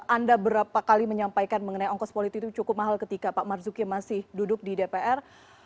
anda berapa kali menyampaikan mengenai ongkos politik itu cukup mahal ketika pak marzuki masih duduk di dpr